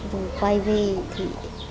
quay về thì